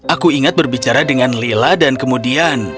aku ingat berbicara dengan lila dan kemudian